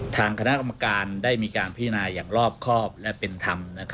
ทางคณะกรรมการได้มีการพิจารณาอย่างรอบครอบและเป็นธรรม